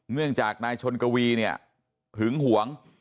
เนื่องจากนายชนกวีเนี่ยหึงหวง